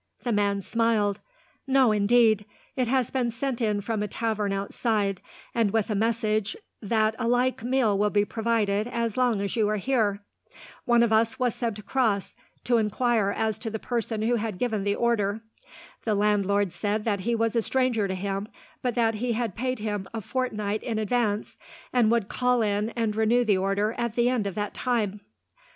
The man smiled. "No, indeed. It has been sent in from a tavern outside, and with a message that a like meal will be provided, as long as you are here. One of us was sent across, to enquire as to the person who had given the order. The landlord said that he was a stranger to him, but that he had paid him a fortnight in advance, and would call in and renew the order, at the end of that time."